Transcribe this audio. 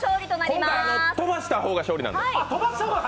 今回、飛ばした方が勝利なんで。